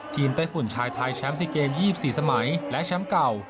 ไต้ฝุ่นชายไทยแชมป์๔เกม๒๔สมัยและแชมป์เก่า